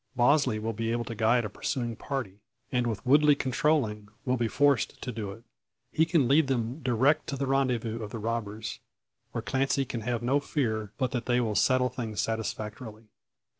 Bosley will be able to guide a pursuing party, and with Woodley controlling, will be forced to do it. He can lead them direct to the rendezvous of the robbers; where Clancy can have no fear but that they will settle things satisfactorily.